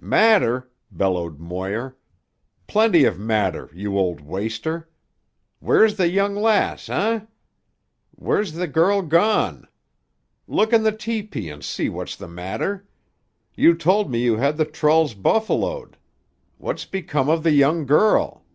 "Matter!" bellowed Moir. "Plenty of matter, you old waster. Where's the young lass, eh? Where's the girl gone? Look in the tepee and see what's the matter. You told me you had the trulls buffaloed. What's become of the young girl?"